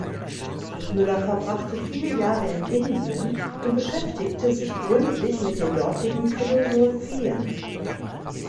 Müller verbrachte viele Jahre in Indien und beschäftigte sich gründlich mit den dortigen Philosophien.